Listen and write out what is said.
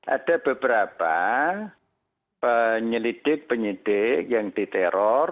ada beberapa penyelidik penyidik yang diteror